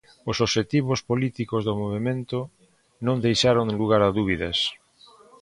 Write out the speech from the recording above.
Os obxectivos políticos do movemento non deixaron lugar a dúbidas.